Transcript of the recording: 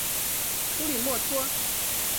普吕默托。